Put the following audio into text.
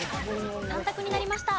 ３択になりました。